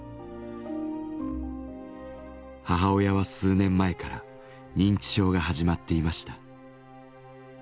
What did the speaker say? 母親は数年前から認知症が始まっていました。